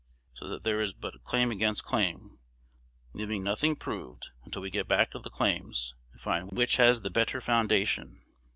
So that there is but claim against claim, leaving nothing proved until we get back of the claims, and find which has the better _foundation.